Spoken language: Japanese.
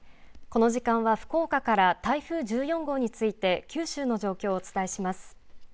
この時間は福岡から台風１４号について九州の状況をお伝えします。